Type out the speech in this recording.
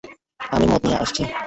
আমি মদ নিয়ে আসছি।